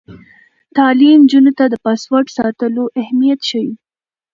تعلیم نجونو ته د پاسورډ ساتلو اهمیت ښيي.